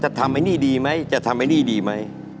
ทำไอ้นี่ดีไหมจะทำไอ้หนี้ดีไหม